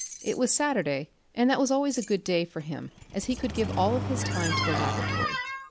It was Saturday, and that was always a good day for him as he could give all of his time to the laboratory.